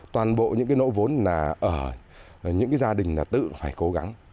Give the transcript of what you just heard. toàn bộ những nỗ vốn ở những gia đình tự phải cố gắng